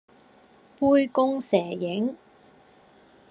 杯弓蛇影